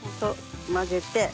混ぜて。